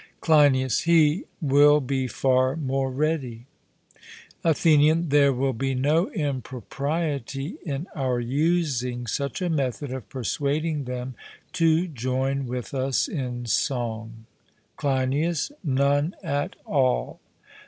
CLEINIAS: He will be far more ready. ATHENIAN: There will be no impropriety in our using such a method of persuading them to join with us in song. CLEINIAS: None at all.